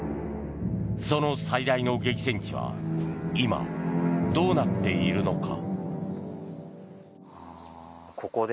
その最大の激戦地は今、どうなっているのか。